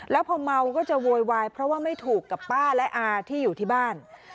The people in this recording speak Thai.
แล้วพอเมาก็จะโวยวายเพราะว่าไม่ถูกกับป้าและอาที่อยู่ที่บ้าน